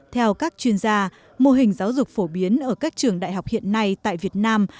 theo các chuyên gia mô hình giáo dục phổ biến ở các trường đại học hiện nay tại việt nam